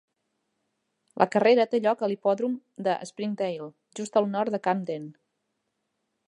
La carrera té lloc a l'hipòdrom de Springdale, just al nord de Camden.